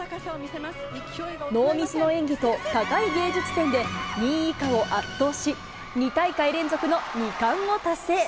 ノーミスの演技と高い芸術点で、２位以下を圧倒し、２大会連続の２冠を達成。